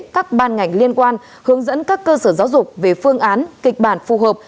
các ban ngành liên quan hướng dẫn các cơ sở giáo dục về phương án kịch bản phù hợp